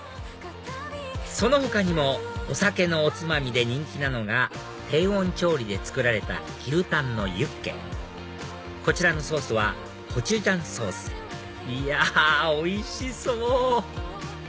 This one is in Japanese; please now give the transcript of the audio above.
その他にもお酒のおつまみで人気なのが低温調理で作られた牛たんのゆっけこちらのソースはコチュジャンソースいやおいしそう！